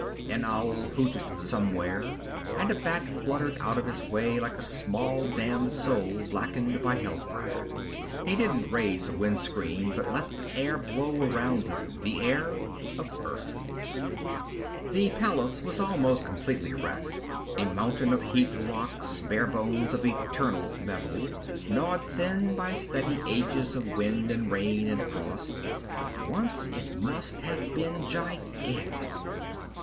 An owl hooted somewhere, and a bat fluttered out of his way like a small damned soul blackened by hellfire. He didn't raise a wind screen, but let the air blow around him, the air of Earth. The palace was almost completely wrecked, a mountain of heaped rocks, bare bones of "eternal" metal gnawed thin by steady ages of wind and rain and frost, but once it must have been gigantic.